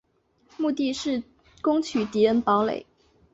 目的是攻取敌人堡垒。